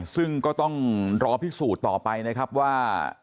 ซึ่งก็ต้องรอพิสูจน์ต่อไปนะครับว่า